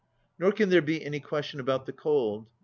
Nor can there be any question about the cold.